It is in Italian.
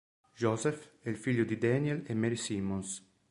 Joseph è il figlio di Daniel e Mary Simmons.